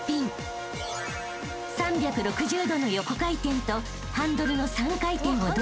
［３６０度の横回転とハンドルの３回転を同時に行う］